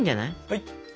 はい。